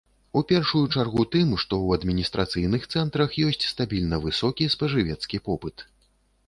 У першую чаргу тым, што ў адміністрацыйных цэнтрах ёсць стабільна высокі спажывецкі попыт.